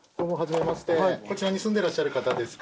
こちらに住んでらっしゃる方ですか？